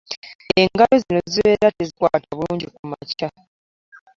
Engalo zino zibeera tezikwata bulungi kumakya.